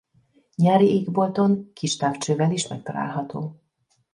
Nyári égbolton kistávcsővel is megtalálható.